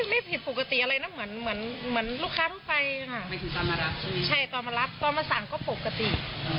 เห็นว่าตอนที่ตอนทอนทางเขามีลักษณะมือสั่นเงินอะไรอย่างงี้